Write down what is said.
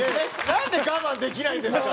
なんで我慢できないんですか！